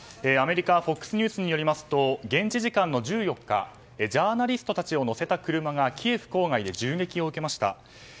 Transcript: アメリカＦＯＸニュースによりますと現地時間の１４日ジャーナリストたちを乗せた車がキエフ郊外で銃撃を受けました。